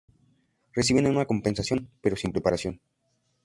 Reciben una compensación, pero sin preparación.